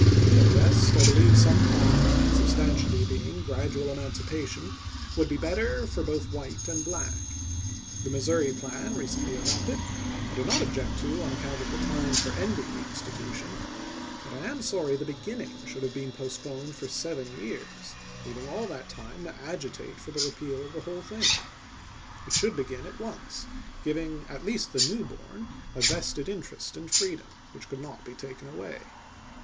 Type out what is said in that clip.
For the rest, I believe some plan, substantially being gradual emancipation, would be better for both white and black. The Missouri plan, recently adopted, I do not object to on account of the time for ending the institution ; but I am sorry the beginning should have been postpoued for seven years, leaving all that time to agitate for the repeal of the whole thing. It should be gin at once, giving at least the new born a vested interest in freedom, which could not be taken away.